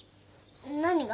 何が？